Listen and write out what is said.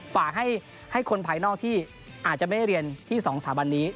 ฝากให้คนภายนอกที่อาจจะไม่ได้เรียนที่๒สถาบันนี้